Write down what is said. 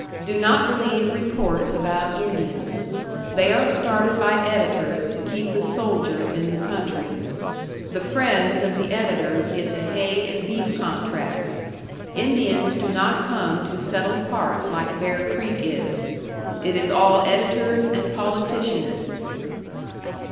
Do not believe reports about Indians. They are started by editors to keep the soldiers in the country. The friends of the editors get the hay and beef contracts. Indians do not come to settled parts like Bear Creek is. It is all editors and politicianists.